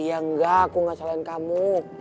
iya iya enggak aku gak salahin kamu